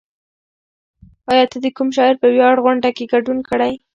ایا ته د کوم شاعر په ویاړ غونډه کې ګډون کړی؟